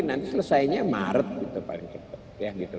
nanti selesainya maret gitu paling cepat